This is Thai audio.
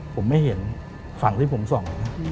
ผมไม่เห็นฝั่งที่ผมส่อง